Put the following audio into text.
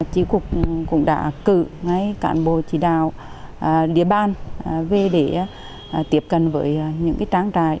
tri cục cũng đã cử ngay cản bộ chỉ đạo địa bàn về để tiếp cận với những trang trại